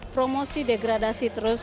promosi degradasi terus